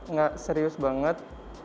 nggak serius banget